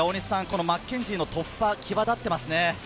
マッケンジーの突破が際立っていますね。